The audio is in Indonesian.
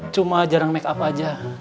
cuma jarang make up aja